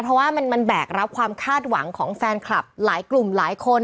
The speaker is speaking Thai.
เพราะว่ามันแบกรับความคาดหวังของแฟนคลับหลายกลุ่มหลายคน